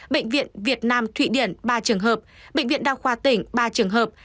bệnh viện việt nam thụy điển ba trường hợp bệnh viện đa khoa tỉnh ba trường hợp